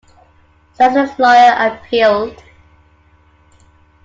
Saxena's lawyer appealed.